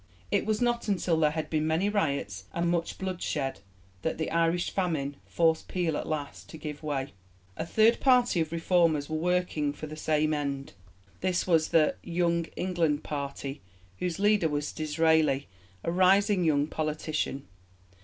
It was not until there had been many riots and much bloodshed that the Irish Famine forced Peel at last to give way. A third party of reformers were working for the same end. This was the 'Young England' party, whose leader was Disraeli, a rising young politician.